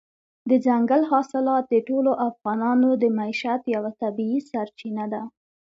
دځنګل حاصلات د ټولو افغانانو د معیشت یوه طبیعي سرچینه ده.